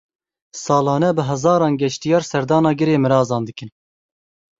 Salane bi hezaran geştiyar serdana Girê Mirazan dikin.